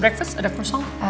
breakfast ada persong